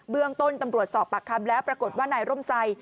เรื่องต้นตำรวจสอบปากคำแล้วปรากฏว่านายร่มไซด